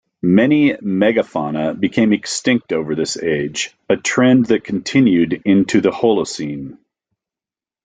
Many megafauna became extinct over this age, a trend that continued into the Holocene.